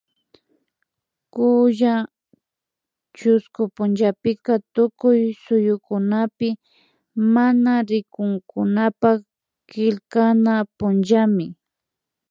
Kulla tiushku punllapika Tukuy suyukunapi mana rikunkunapak killkana punllami